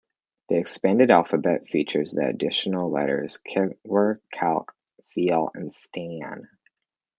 The expanded alphabet features the additional letters cweorth, calc, cealc, and stan.